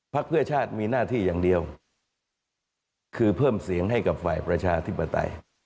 เพื่อชาติมีหน้าที่อย่างเดียวคือเพิ่มเสียงให้กับฝ่ายประชาธิปไตย